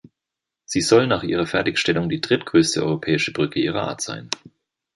Sie soll nach ihrer Fertigstellung die drittgrößte europäische Brücke ihrer Art sein.